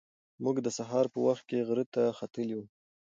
موږ د سهار په وخت کې غره ته ختلي وو.